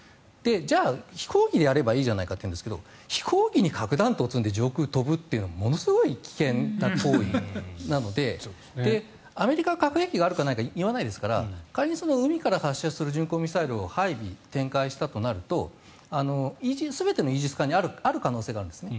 じゃあ、飛行機でやればいいじゃないかというんですけど飛行機に核弾頭を積んで上空を飛ぶっていうのはものすごい危険な行為なのでアメリカは核兵器があるかどうか言わないですから仮に海から発射する巡航ミサイルを配備展開したとなると全てのイージス艦にある可能性があるんですね。